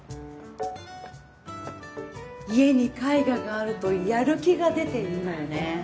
家に絵画があるとやる気が出ていいのよね